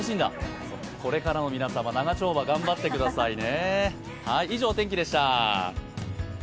これからの皆様、長丁場、頑張ってくださいね。